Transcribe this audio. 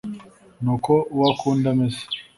n’uko uwo akunda ameze,